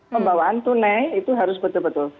pembawaan tunai itu harus betul betul